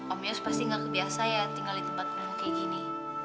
om yos pasti gak kebiasa ya tinggal di tempat ini seperti ini